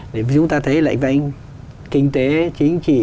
vì chúng ta thấy lệnh văn kinh tế chính trị